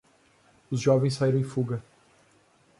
Os jovens saíram em fuga